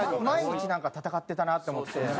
毎日なんか戦ってたなって思って。